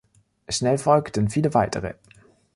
Schnell folgten viele Weitere.